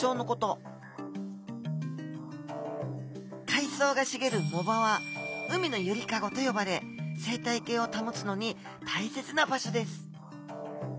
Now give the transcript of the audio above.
海藻がしげる藻場は海のゆりかごと呼ばれ生態系を保つのに大切な場所です。